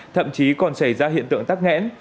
thậm chí còn xảy ra hiện tượng tắc nghẽn